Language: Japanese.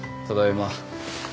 ただいま。